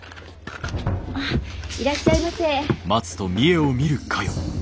あっいらっしゃいませ。